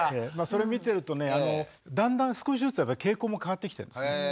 それ見てるとねだんだん少しずつやっぱり傾向も変わってきてるんですね。